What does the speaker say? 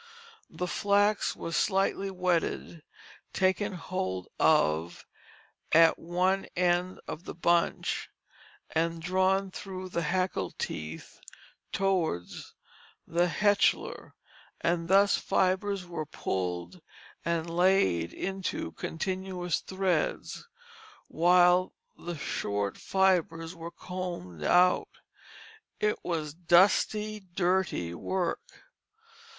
The flax was slightly wetted, taken hold of at one end of the bunch, and drawn through the hackle teeth towards the hetcheller, and thus fibres were pulled and laid into continuous threads, while the short fibres were combed out. It was dusty, dirty work.